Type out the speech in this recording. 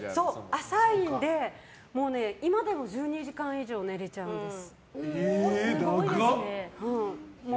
浅いので、今でも１２時間以上寝れちゃうんです。